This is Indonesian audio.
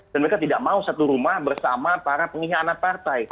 dan mereka tidak mau satu rumah bersama para pengkhianat partai